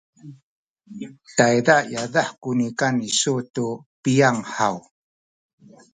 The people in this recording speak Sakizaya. tada yadah ku nikan isu tu piyang haw?